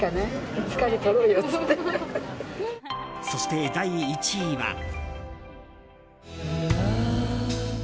そして第１位は。